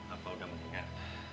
apa udah mendingan